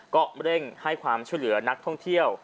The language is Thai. ก็เร่งให้ความช่วยเหลือนักท่องเที่ยว